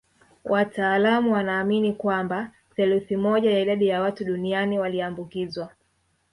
Wataalamu wanaamini kwamba theluthi moja ya idadi ya watu duniani waliambukizwa